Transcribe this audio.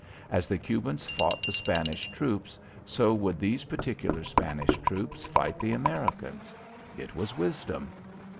As the Cubans fought the Spanish troops, so would these particular Spanish troops fight the Americans. It was wisdom.